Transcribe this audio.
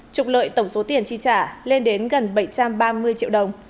trục lợi tổng số tiền chi trả lên đến gần bảy trăm ba mươi triệu đồng